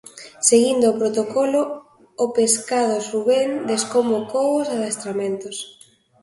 Seguindo o protocolo, o Pescados Rubén desconvocou os adestramentos.